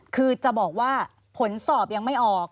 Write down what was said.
คือจะบอกว่าผลสอบยังไม่ออก